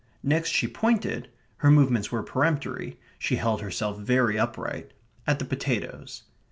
Next she pointed (her movements were peremptory; she held herself very upright) at the potatoes.